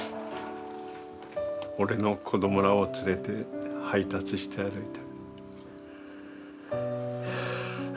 俺の子どもらを連れて配達して歩いた。